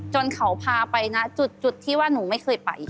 จนเขาพาไปนะจุดที่ว่าหนูไม่เคยไป